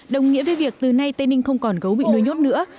đồng nghĩa với việc từ nay tây ninh không còn gấu bị nuôi nhốt nữa